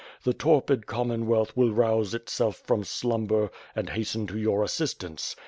The torpid Common wealth will rouse itself from slumber and hasten to your as sistance.